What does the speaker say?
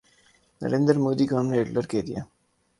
نریندر مودی کو ہم نے ہٹلر کہہ دیا۔